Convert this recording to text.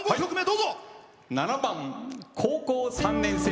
７番「高校三年生」。